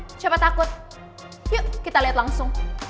fine siapa takut yuk kita liat langsung